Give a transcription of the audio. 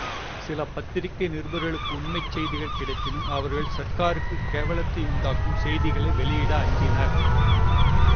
சில பத்திரிகை நிருபர்களுக்கு உண்மைச் செய்திகள் கிடைப்பினும் அவர்கள் சர்க்காருக்குக் கேவலத்தையுண்டாக்கும் விஷயங்களை வெளியிட அஞ்சினர்.